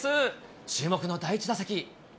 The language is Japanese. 注目の第１打席。